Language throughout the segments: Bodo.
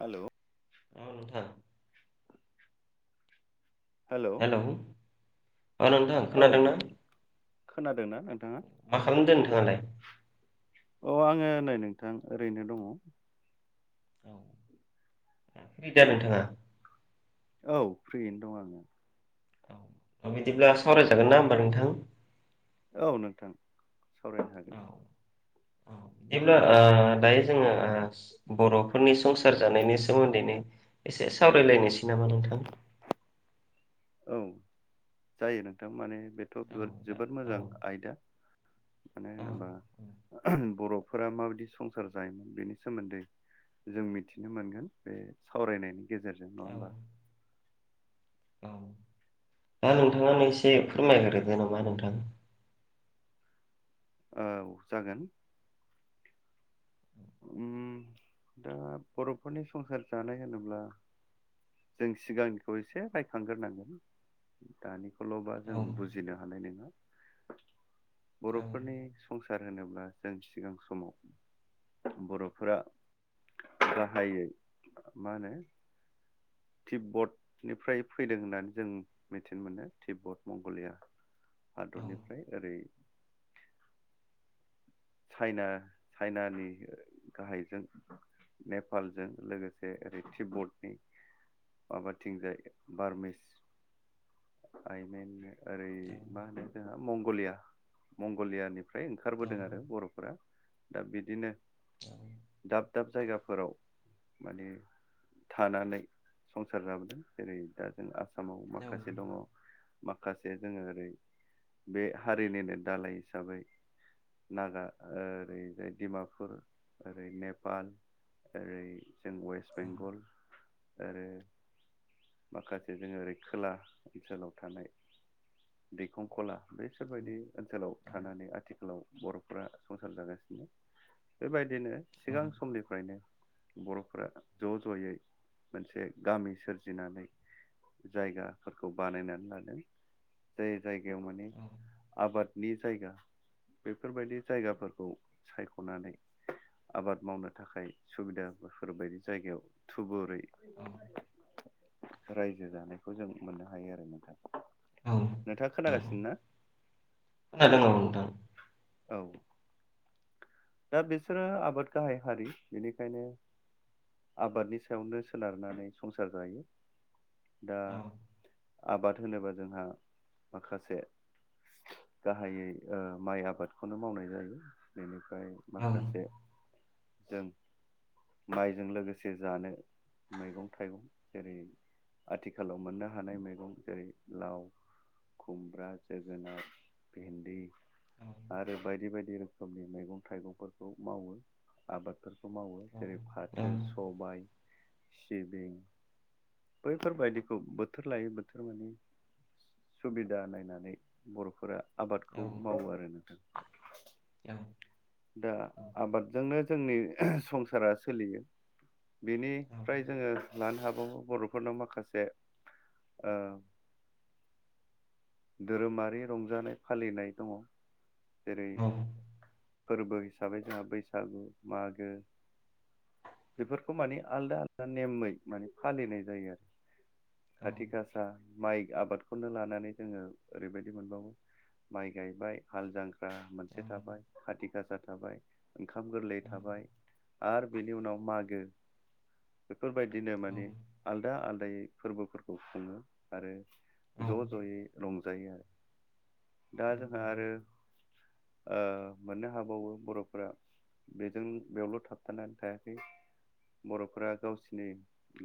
हेल' ओ‌ नोंथां हेलौ औ नोंथां खोनादोंना खोनादों ना नोंथाङा मा खालादों नोंथाङालाय अ आङो नै नोंथां ओरैनो दङ औ फ्रिदा नोंथाङा औ फ्रियैनो दं आङो अ बिदिब्ला सावरायजागोन ना होमबा नोंथां औ नोंथां सावरायनो औ हागोन औ बिदिब्ला ओ दायो जोङो ओ बर'फोरनि संसार जानायनि सोमोन्दैनो एसे सावरायलायनोसै नामा नोंथां औ जायो नोंथां माने बेथ' औ जोबोद औ मोजां आयदा मानो होनोबा बर'फोरा माबायदि संसार जायोमोन बेनि सोमोन्दै जों मिथिनो मोनगोन बे सावरायनायनि गेजेरजों नङा औ होमबा औ दा नोंथाङानो एसे फोरमायग्रोदो नामा नोंथां औ जागोन उम दा बर'फोरनि संसार जानाय होनोब्ला जों सिगांनिखौ एसे रायखांग्रोनांगोन दानिखौल'बा औ जों बुजि बुजिनो हानाय नङा औ बर'फोरनि संसार होनोब्ला जों सिगां समाव बर'फोरा गाहायै मा होनो टिबडनिफ्राय फैदों होननानै जों मिथिनो मोनो टिबड मंग'लिया हादरनिफ्राय ओरै चाइना चाइनानि गाहायजों नेपालजों लोगोसे ओरै तिबडनि माबाथिंजाय बारमिस आइमेननो ओरै मा होनो जोंहा मंग'लिया मंग'लियानिफ्राय ओंखारबोदों आरो फोरा दा बिदिनो दाब दाब जायगाफोराव माने थानानै संसार जाबोदों जेरै दा जों आसामाव माखासे दङ माखासे जोङो ओरै बे हारिनिनो दालाय हिसाबै नागा ओरैजाय दिमापुर ओरै नेपाल ओरै जों वेस्ट बेंगल आरो माखासे जोङो ओरै खोला ओनसोलाव थानाय दैखंखला बैसोर बायदि ओनसोलाव थानानै आथिखालाव बर'फोरा संसार जागासिनो बेबायदिनो औ सिगां समनिफ्रायनो बर'फ्रा ज' ज'यै मोनसे गामि सोरजिनानै जायगाफोरखौ बानायनानै लादों जाय जायगायाव माने औ आबादनि जायगा बेफोरबायदि जायगाफोरखौ सायख'नानै आबाद मावनो थाखाय सुबिदा बेफोरबायदि जायगायाव थुबुरै औ रायजो जानायखौ जों मोननो हायो आरो नोंथां औ नोंथाङा खोनागासिनो ना खोनादों औ नोंथां औ दा बिसोरो आबाद गाहाय हारि बेनिखायनो आबादनि सायावनो सोनारनानै संसार जायो दा औ आबाद होनोबा जोंहा माखासे गाहायै माइ आबादखौनो मावनाय जायो ओमफ्राय औ माखासे जों माइजों लोगोसे जानो मैगं थाइगं जेरै आथिखालाव मोननो हानाय मैगं जेरै लाव खुमब्रा जोगोनार भेन्दि औ आरो बायदि बायदि रोखोमनि मैगं थाइगंफोरखौ मावो आबादफोरखौ मावो जेरै फाथो औ फाथो सबाय सिबिं बैफोरबायदिखौ बोथोर लायो बोथोर माने सुबिदा नायनानै बर'फोरा आबादखौ मावो आरो नोंथां ए दा आबादजोंनो जोंनि संसारा सोलियो बिनिफ्राय जोङो लानो हाबावो बर'फोरनाव माखासे ओ धोरोमारि रंजानाय फालिनाय दङ जेरै औ फोरबो हिसाबै जोंहा बैसागु मागो बेफोरखौ माने आलदा आलादा नेमै माने फालिनाय जायो आरो खाथि गासा माइ आबादखौनो लानानै जोङो ओरैबायदि मोनबावो माइ गायबाय हाल जांख्रा मोनसे थाबाय खाथि गासा थाबाय ओंखाम गोरलै थाबाय आरो बेनि उनाव मागो बेफोरबायदिनो माने आलदा आलादायै फोरबोफोरखौ खुङो आरो ज' ज'यै रंजायो आरो दा जोंहा आरो मोननो हाबावो बर'फोरा बेजों बेयावल' थाबथानानै थायाखै बर'फोरा गावसिनि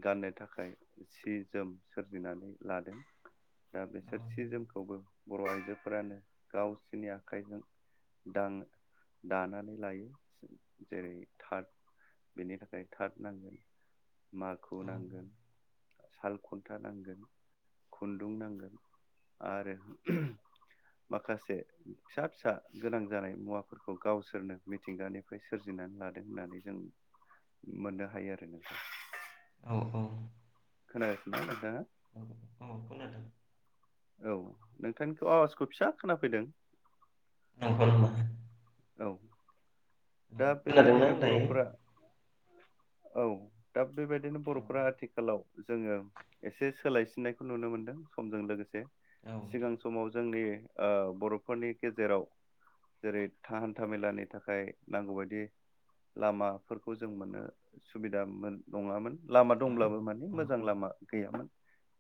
गाननो थाखाय सि जोम सोरजिनानै लादों दा बेसोर सि जोमखौबो बर' आइजोफोरानो गावसिनि आखाइजों दां दानानै लायो जेरै थार्द बेनि थाखाय थार्द नांगोन माखु नांगोन साल खुन्था नांगोन खुन्दुं नांगोन आरोे माखासे फिसा फिसा गोनां जानाय मुवाफोरखौ गावसोरनो मिथिंगानि फ्राय सोरजिनानै लादों होननानै जों मोननो हायो आरो नोंथां औ औ खोनागासिनो ना नोंथाङा औ खोनादों औ नोंथांनिखौ आवाजखौ फिसा खोनाफैदों [unintelligible] औ दा खोनादोंना बेबायदिनो दायो बर'फोरा औ दा बेबायदिनो औ बर'फोरा आथिखालाव जोङो एसे सोलायसिननायखौ नुनो मोनदों समजों लोगोसे औ सिगां समाव जोंनि बर'फोरनि गेजेराव जेरै हान्था मेलानि थाखाय नांगौबायदि लामाफोरखौ जों मोननो सुबिदा नङामोन लामा औ दंब्लाबो माने औ मोजां लामा गैयामोन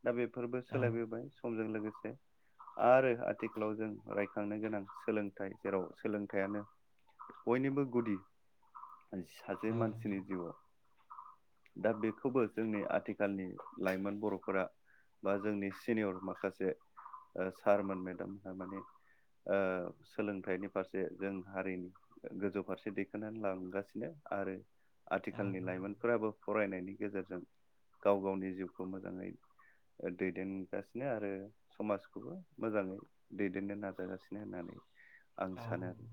दा बेफोरबो सोलायबोबाय समजों लोगोसे आरो आथिखालाव जों रायखांनो गोनां सोलोंथाइ जेराव सोलोंथायानो बयनिबो गुदि सासे मानसिनि जिउआव दा बेखौबो जोंनि आथिखालनि लाइमोन बर'फोरा बा जोंनि सिनियर माखासे सारमोन मेदाम माने ओ सोलोंथाइनि फारसे जों हारिनि गोजौ फारसे दैखांनानै लांगासिनो आरो आथिखालनि लाइमोनफोराबो फरायनायनि गेजेरजों गाव गावनि जिउखौ मोजाङै दैदेनगासिनो आरो समाजखौबो मोजाङै दैदेननो नाजागासिनो होननानै आं औ सानो आरो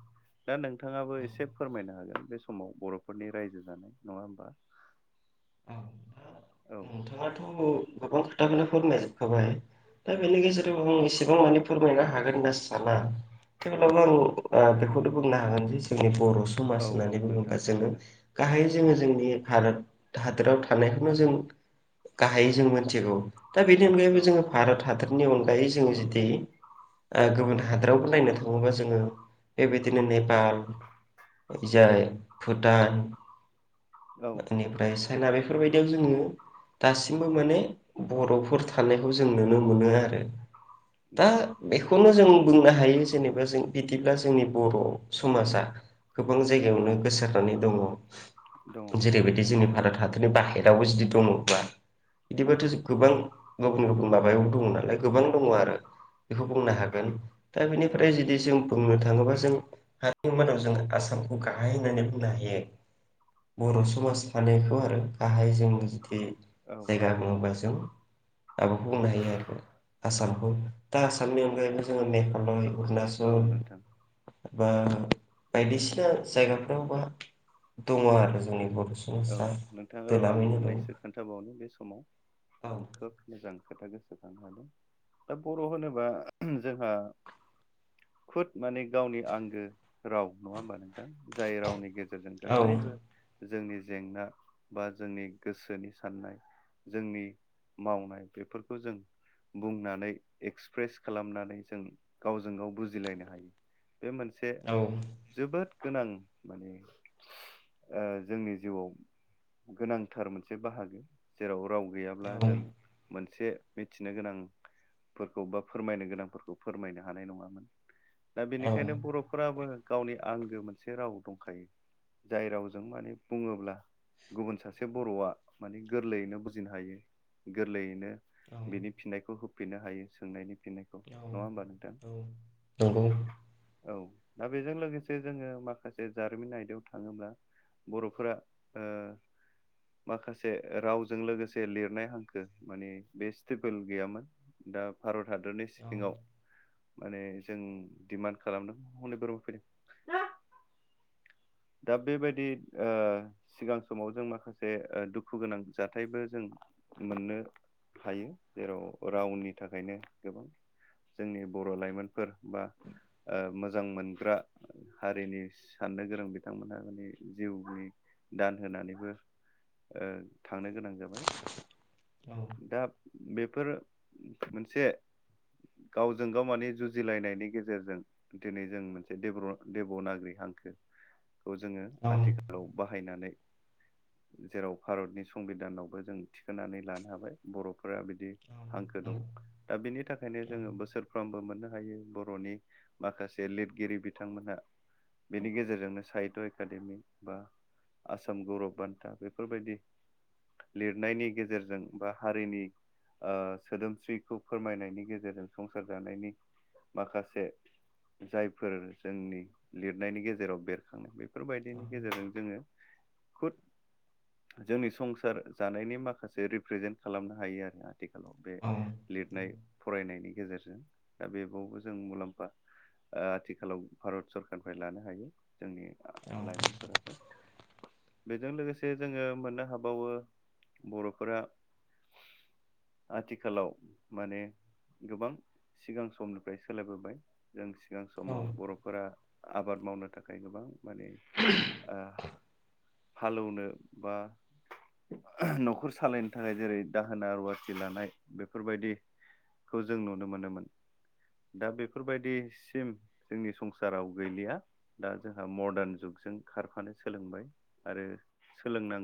दा नों नोंथाङाबो औ एसे फोरमायनो हागोन बे समाव बर'फोरनि रायजो जानाय नङा होमबा औ औ नोंथाङाथ' गोबां खोथाखौनो फोरमायजोबखाबाय दा बेनि गेजेराव आं एसेबां मानि फोरमायनो हागोन होनना साना थेवब्लाबो आं बेखौनो बुंनो हागोन जे जोंनि बर' औ समाज औ होननानै नोंथां बुङोबा जोङो जागोन गाहायै जोङो जोंनि भारत हादोराव थानायखौनो जों गाहायै जों मोनथिगौ दा बेनि औ अनगायैबो जोङो भारत हादरनि अनगायै जोङो जुदि गुबुन हादोरावबो नायनो थाङोबा जोङो बेबायदिनो नेपाल जाय भुटान औ बेनिफ्राय जोंना बेफोरबायदियाव जोङो दासिमबो माने बर'फोर थानायखौ जों नुनो मोनो आरो दा नंगौ बेखौनो जों बुंनो हायो जेनेबा जों बिदिब्ला जोंनि बर' समाजा गोबां जायगायावनो गोसारनानै दङ दङ जेरैबायदि जोंनि भारत हादरनि बाहेरायावबो जुदि दङब्ला नंगौ बिदिथ' गोबां गुबुन गुबुन माबायाव दङ नालाय गोबां दङ आरो बेखौ बुंनो हागोन दा औ बेनिफ्राय जुदि जों बुंनो थाङोब्ला जों हारिु [unintelligible] मादाव जों आसामखौ गाहाय होननानै बुंनो हायो बर' समाज थानायखौ आरो गाहाय जों जुदि औ जायगा नङाबा जों आब'खौ बुंनो हायो आरो आसामखौ दा आसामनि अनगायैबो जोङो मेघालय औ अरुनाचल नोंथां बा बायदिसिना जायगाफ्रावबा दङ आरो जोंनि बर' औ समाजा नोंथां र' आं दोलाबायनो दं मोननैसो खोन्थाबावनो बे औ समाव आं खोब मोजां खोथा गोसोखांनो हादों दा बर' होनोबा जोंहा खुद माने गावनि आंगो राव नङा होमबा नोंथां जाय रावनि गेजे गेजेरजों औ गासैबो जोंनि जेंना बा जोंनि गोसोनि साननाय जोंनि मावनाय बेफोरखौ जों बुंनानै एक्सप्रेस खालामनानै जों गावजों गाव बुजिलायनो हायो बे मोनसे औ जोबोद गोनां माने जोंनि जिउआव गोनांथार मोनसे बाहागो जेराव राव गैयाब्ला जों मोन से मिथिनो गोनांफोरखौ बा फोरमायनो गोनांफोरखौ फोरमायनो हानाय नङामोन दा औ बेनिखायनो बर'फोराबो गावनि आंगो मोनसे राव दंखायो जाय रावजों माने बुङोब्ला गुबुन सासे बर'आ माने गोरलैयैनो बुजिनो हायो गोरलैयैनो औ बेनि फिननायखौ होफिननो हायो सोंनायनि फिनायखौ नङा होमबा नोंथां औ नंगौ औ दा बेजों लोगोसे जोङो माखासे जारिमिन आयदायाव थाङोब्ला बर'फोरा ओ माखासे रावजों लोगोसे लिरनाय हांखो माने बे स्टेबोल गैयामोन दा भारत हादरनि औ सिङाव माने जों डिमान्ड खालामदों हनै बोरमा फैदों दा बेबायदि ओ सिगां समाव जों माखासे दुखु गोनां जाथायबो जों मोननो हायो जेराव रावनि थाखायनो गोबां जोंनि बर' लाइमोनफोर बा ओ मोजां मोनग्रा हारिनि साननो गोरों बिथांमोनहा माने जिउनि दान होनानैबो ओ थांनो गोनां जाबाय औ दा बेफोर मोनसे गावजों गाव माने जुजिलायनायनि गेजेरजों दिनै जों मोनसे दब देब' नागि हांखोखौ जोङो औ औ आथिखाल बाहायनानै जेराव भारतनि संबिधानावबो जों थिखोननानै लानो हाबाय। बर'फोरा बिदि हांखो दं। दा बिनि थाखायनो जोङो बोसोरफ्रामबो मोननो हायो बर'नि माखासे लिरगिरि बिथांमोनहा बेनि गेजेरजोंनो साइद एकाडेमि बा आसाम गौरब बान्था बेफोरबायदि लिरनायनि गेजेरजों बा हारिनि ओ सोदोमस्रिखौ फोरमायनायनि गेजेरजों संसार जानायनि माखासे जायफोर जोंनि लिरनायनि गेजेराव बेरखाङो बेफोर बेफोरबायदिनि गेजेरजों जोङो खुद जोंनि संसार जानायनि माखासे रिप्रेजेन्ट खालामनो हायो आरोना। आथिखालाव बे लिरनाय फरायनायनि गेजेरजों दा बेबावबो जों मुलाम्फा ओ आथिखालाव भारत सरखारारनिफ्राय लानो हायो जोंनि औ लाइमोनफोराबो बेजों लोगोसे जोङो मोननो हाबावो बर'फोरा आथिखालाव माने गोबां सिगां समनिफ्राय सोलायबोबाय। जों सिगां औ समाव बर'फोरा आबाद मावनो थाखाय गोबां ओ माने हालेवनो बा न'खर सालायनो थाखाय जेरै दाहोना रुवाथि लानाय बेफोरबायदि खौ जों नुनो मोनोमोन। दा बेफोरबायदिसिम जोंनि संसाराव गैलिया दा जोंहा मदार्न जुगजों खारफानो सोलोंबाय आरो सोलोंनांगौ